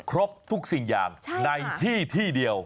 ครบทุกสิ่งอย่างในที่ที่เดียว